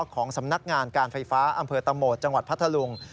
ของสำนักงานการไฟฟ้าอำเภอตะโหมดจังหวัดพัทธลุง